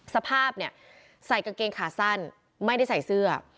สภาพเนี่ยใส่กางเกงขาสั้นไม่ได้ใส่เสื้อ